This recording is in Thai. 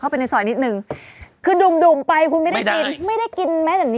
ไปรอคิวก็ไม่ได้เลยค่ะ